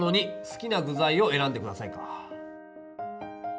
「好きな具材を選んでください」かぁ。